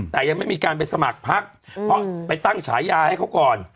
แต่ยังไม่มีการไปสมัครพักเพราะไปตั้งฉายาให้เขาก่อน